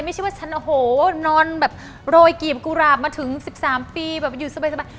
ไม่ใช่ว่าฉันโรยกีบกุราบมาถึง๑๓ปีอยู่สบาย